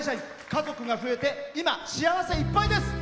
家族が増えて今、幸せいっぱいです。